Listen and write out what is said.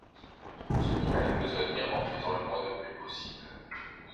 On se mit à la besogne, en faisant le moins de bruit possible.